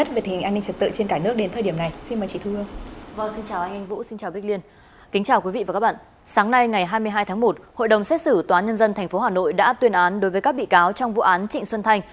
tổng xét xử tòa nhân dân tp hà nội đã tuyên án đối với các bị cáo trong vụ án trịnh xuân thành